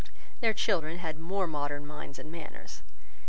Their children had more modern minds and manners.